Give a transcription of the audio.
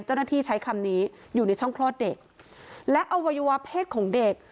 เจ้าหน้าที่ใช้คำนี้อยู่ในช่องคลอดเด็กและอวัยวะเพศของเด็ก